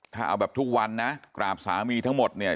ถ้าเอาแบบทุกวันนะกราบสามีทั้งหมดเนี่ย